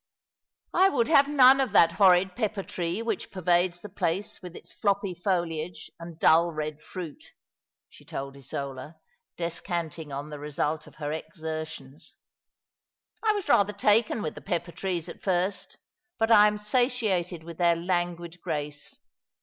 "I would have none of that horrid pepper tree which pervades the place with its floppy foliage, and dull red fruit/' she told Isola, descanting on the result of her exer tions. " I was rather taken with the pepper trees at first, but I am satiated with their languid grace.